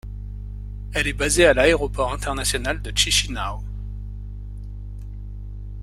Elle est basée à l'aéroport international de Chişinău.